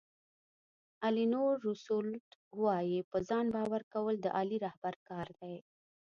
الینور روسیولوټ وایي په ځان باور کول د عالي رهبر کار دی.